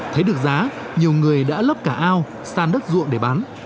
thấy được giá nhiều người đã lấp cả ao san đất ruộng để bán